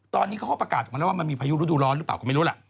ตอนนี้เขาก็ประกาศออกมาแล้วว่ามันมีพายุฤดูร้อนหรือเปล่าก็ไม่รู้ล่ะ